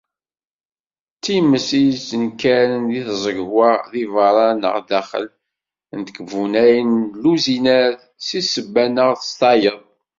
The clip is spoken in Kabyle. D times i yettnekkaren deg tẓegwa deg berra neɣ daxel n tkebbunay d lluzinat, s ssebba neɣ s tayeḍ.